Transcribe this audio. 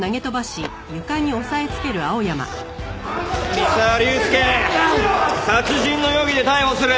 三沢龍介殺人の容疑で逮捕する。